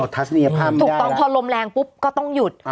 ออกทัศนียภาพไม่ได้แล้วถูกต้องพอลมแรงปุ๊บก็ต้องหยุด